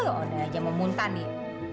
udah aja mau muntah nih